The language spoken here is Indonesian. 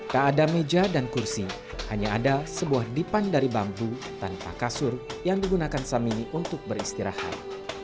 tak ada meja dan kursi hanya ada sebuah dipan dari bambu tanpa kasur yang digunakan samini untuk beristirahat